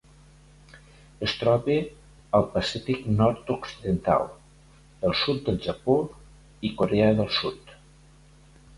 Es troba al Pacífic nord-occidental: el sud del Japó i Corea del Sud.